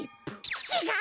ちがう！